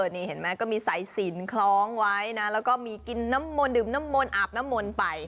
นี่เห็นไหมก็มีสายสินคล้องไว้นะแล้วก็มีกินน้ำมนดื่มน้ำมนต์อาบน้ำมนต์ไป